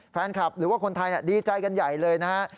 แฟนคลับหรือว่าคนไทยดีใจกันใหญ่เลยนะฮะ